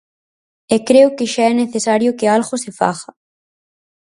E creo que xa é necesario que algo se faga.